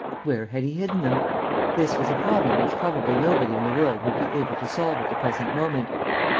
"Where had he hidden them? This was a problem which probably nobody in the world would be able to solve at the present moment.